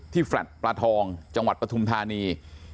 แฟลต์ปลาทองจังหวัดปฐุมธานี